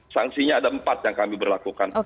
sanksinya ada empat yang kami berlakukan